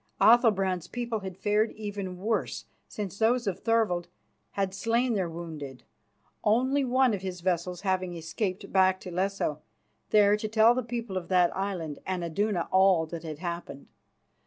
Athalbrand's people had fared even worse, since those of Thorvald had slain their wounded, only one of his vessels having escaped back to Lesso, there to tell the people of that island and Iduna all that had happened.